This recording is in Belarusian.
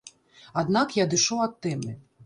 Аднак я адышоў ад тэмы.